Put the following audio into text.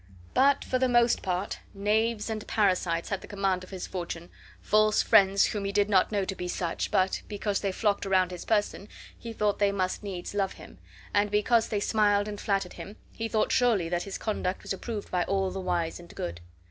But for the most part, knaves and parasites had the command of his fortune, false friends whom he did not know to be such, but, because they flocked around his person, he thought they must needs love him; and because they smiled and flattered him, he thought surely that his conduct was approved by all the wise and good.